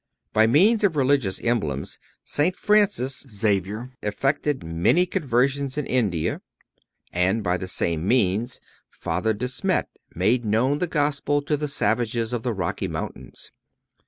By means of religious emblems St. Francis Xavier effected many conversions in India; and by the same means Father De Smet made known the Gospel to the savages of the Rocky Mountains.